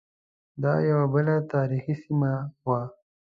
دا یوه بله تاریخی سیمه وه.